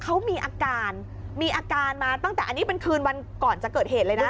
เขามีอาการมีอาการมาตั้งแต่อันนี้เป็นคืนวันก่อนจะเกิดเหตุเลยนะ